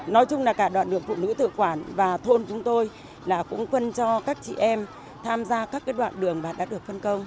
nói chung là cả đoạn đường phụ nữ tự quản và thôn chúng tôi là cũng phân cho các chị em tham gia các đoạn đường và đã được phân công